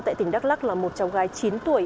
tại tỉnh đắk lắc là một cháu gái chín tuổi